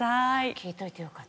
聞いておいてよかった。